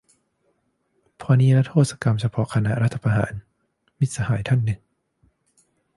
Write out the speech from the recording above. เพราะนิรโทษกรรมเฉพาะคณะรัฐประหาร - มิตรสหายท่านหนึ่ง